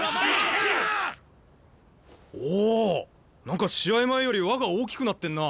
何か試合前より輪が大きくなってんな。